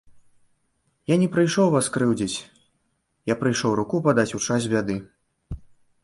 Я не прыйшоў вас крыўдзіць, я прыйшоў руку падаць у час бяды.